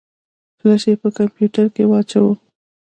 فلش يې په کمپيوټر کې واچوه.